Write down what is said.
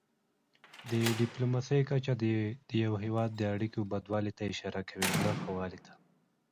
د ډيپلوماسی کچه د یو هېواد د اړیکو ښهوالي ته اشاره کوي.